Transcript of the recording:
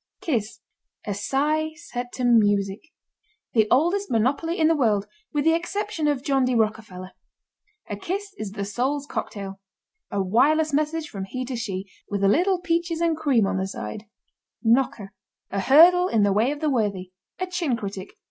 KISS. A sigh set to music. The oldest monopoly in the world with the exception of John D. Rockerfeller. A kiss is the soul's cocktail. A wireless message from he to she, with a little peaches and cream on the side. KNOCKER. A hurdle in the way of the worthy. A chin critic.